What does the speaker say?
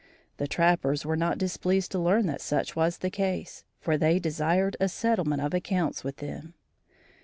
The trappers were not displeased to learn that such was the case, for they desired a settlement of accounts with them.